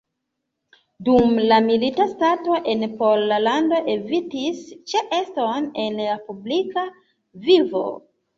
Dum la milita stato en Pollando evitis ĉeeston en publika vivo.